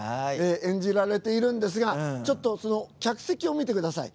演じられているんですがちょっとその客席を見てください。